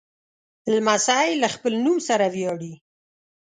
لمسی له خپل نوم سره ویاړي.